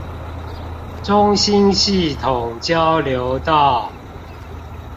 中興系統交流道